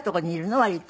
割と。